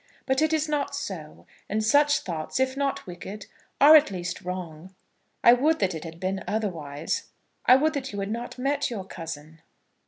But it is not so; and such thoughts, if not wicked, are at least wrong. I would that it had been otherwise. I would that you had not met your cousin.